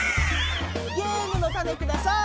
ゲームのたねください！